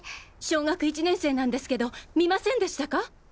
小学１年生なんですけど見ませんでしたか？